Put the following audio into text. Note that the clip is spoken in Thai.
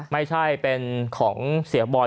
ไม่ใช่เป็นของเสียบอย